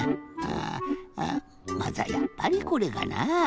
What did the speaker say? ああまずはやっぱりこれかなあ。